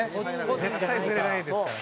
「絶対譲れないですからね」